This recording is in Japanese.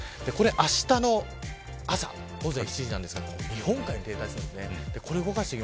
あしたの朝、午前７時ですが日本海に停滞します。